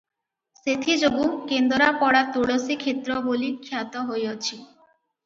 ସେଥିଯୋଗୁଁ କେନ୍ଦରାପଡ଼ା ତୁଳସୀକ୍ଷେତ୍ର ବୋଲି ଖ୍ୟାତ ହୋଇଅଛି ।